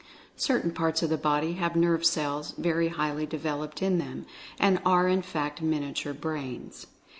Cer tain parts of the body have nerve cells very highly de veloped in them — are in fact miniature brains.